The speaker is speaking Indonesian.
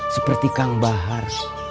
seperti kang bahar